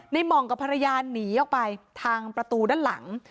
หม่องกับภรรยาหนีออกไปทางประตูด้านหลัง